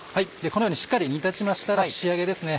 このようにしっかり煮立ちましたら仕上げですね